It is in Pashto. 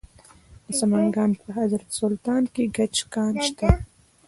د سمنګان په حضرت سلطان کې د ګچ کان شته.